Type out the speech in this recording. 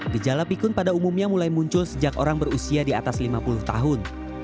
gejala pikun pada umumnya mulai muncul sejak orang berusia di atas lima puluh tahun